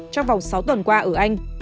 trong vòng sáu tuần qua ở anh